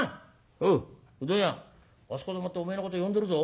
「おううどん屋あそこでもってお前のこと呼んでるぞ」。